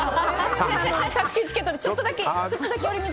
タクシーチケットでちょっとだけ寄り道。